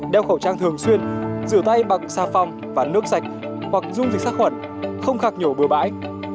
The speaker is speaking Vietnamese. đeo khẩu trang thường xuyên rửa tay bằng xa phong và nước sạch hoặc dung dịch sắc khuẩn không khạc nhổ bừa bãi